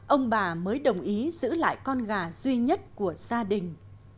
ông bà mới đồng ý giữ lại con gà duy nhất của gia đình